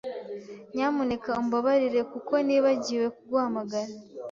Nyamuneka umbabarire kuko nibagiwe kuguhamagara.